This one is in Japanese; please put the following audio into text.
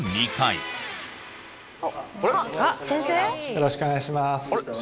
よろしくお願いします。